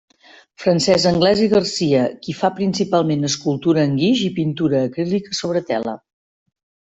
Francesc Anglès i Garcia, qui fa principalment escultura en guix i pintura acrílica sobre tela.